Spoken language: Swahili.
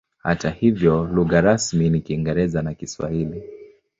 Hata hivyo lugha rasmi ni Kiingereza na Kiswahili.